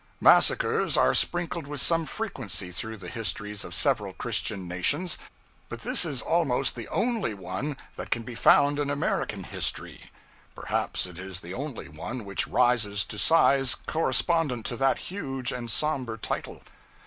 Massacres are sprinkled with some frequency through the histories of several Christian nations, but this is almost the only one that can be found in American history; perhaps it is the only one which rises to a size correspondent to that huge and somber title.